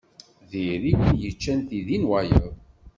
Diri win yeččan tidi n wayeḍ.